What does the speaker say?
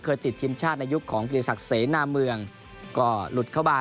เคยติดทีมชาติในยุคของบริษัทเสนาเมืองก็หลุดเข้าบ้าน